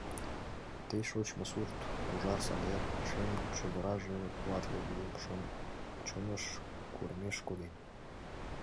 Ты шочмо сурт, ужар садер, шем чодыраже Куатле вийым чоныш курымеш коден.